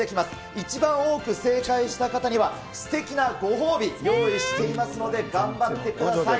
一番多く正解した方には、すてきなご褒美用意していますので、頑張ってください。